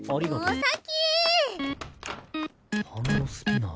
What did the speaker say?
お先！